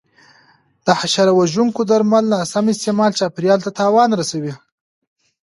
د حشره وژونکو درملو ناسم استعمال چاپېریال ته تاوان رسوي.